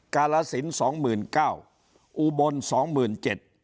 กาลสินสองหมื่นเก้าอุบลสองหมื่นเจ็ด